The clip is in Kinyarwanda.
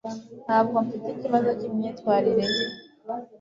Ntabwo mfite ikibazo cyimyitwarire ye